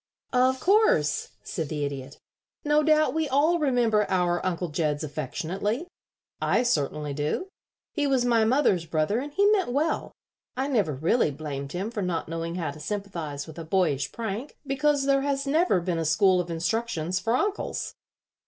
"Of course," said the Idiot. "No doubt we all remember our Uncle Jeds affectionately. I certainly do. He was my mother's brother, and he meant well. I never really blamed him for not knowing how to sympathize with a boyish prank, because there has never been a school of instructions for uncles.